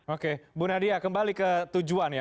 oke bu nadia kembali ke tujuan ya